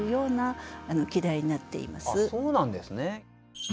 そうなんですね。